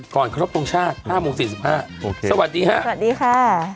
ก่อนครบตรงชาติ๕โมง๔๕สวัสดีฮะสวัสดีค่ะ